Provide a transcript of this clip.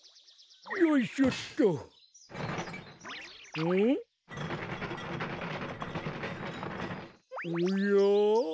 おや？